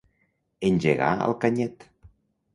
Engegar al canyet.